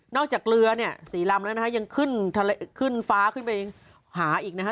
จากเรือเนี่ย๔ลำแล้วนะฮะยังขึ้นฟ้าขึ้นไปหาอีกนะฮะ